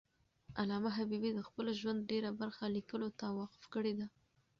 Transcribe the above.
علامه حبیبي د خپل ژوند ډېره برخه لیکلو ته وقف کړی ده.